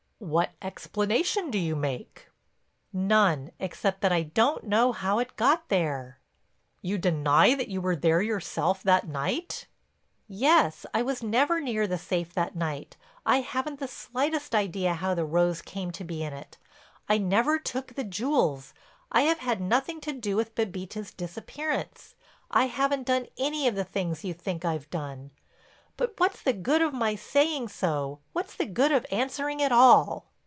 "What explanation do you make?" "None—except that I don't know how it got there." "You deny that you were there yourself that night?" "Yes—I was never near the safe that night; I haven't the slightest idea how the rose came to be in it; I never took the jewels; I have had nothing to do with Bébita's disappearance; I haven't done any of the things you think I've done. But what's the good of my saying so—what's the good of answering at all?"